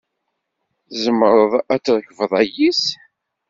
Tzemreḍ ad trekbeḍ ayis?